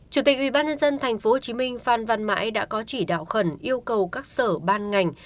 chủ tịch ubnd tp hồ chí minh phan văn mãi đã có chỉ đạo khẩn yêu cầu các sở ban ngành